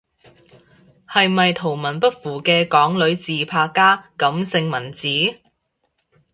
係咪圖文不符嘅港女自拍加感性文字？